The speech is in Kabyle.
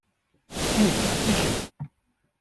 Ti i kemm.